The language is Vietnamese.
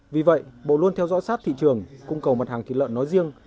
vì vậy bộ luôn theo dõi sát thị trường cung cầu mặt hàng thịt lợn nói riêng